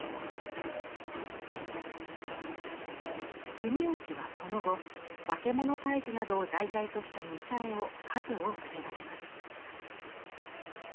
国芳はその後化け物退治などを題材とした武者絵を数多く手がけます。